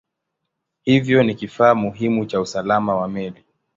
Hivyo ni kifaa muhimu cha usalama wa meli.